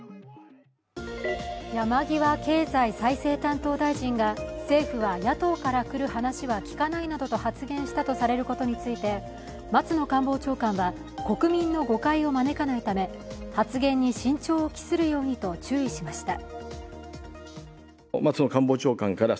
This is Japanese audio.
山際経済再生担当大臣が、政府は野党から来る話は聞かないなどと発言したとされることについて松野官房長官は、国民の誤解を招かないため発言に慎重を期するようにと注意しました。